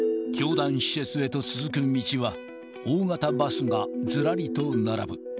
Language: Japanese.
教団施設へと続く道は、大型バスがずらりと並ぶ。